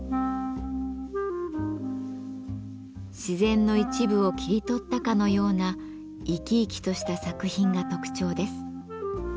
自然の一部を切り取ったかのような生き生きとした作品が特徴です。